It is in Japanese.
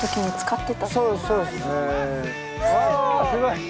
おすごい！